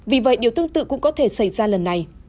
vì vậy điều tương tự cũng có thể xảy ra lần này